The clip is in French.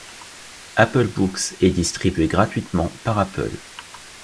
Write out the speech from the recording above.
Apple Books est distribuée gratuitement par Apple.